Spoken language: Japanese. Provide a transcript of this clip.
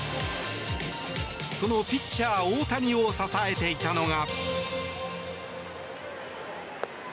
そのピッチャー・大谷を支えていたのが。